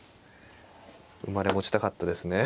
生まれ持ちたかったですね。